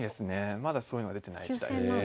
まだそういうのは出てない時代ですね。